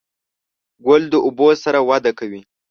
ګل د اوبو سره وده کوي.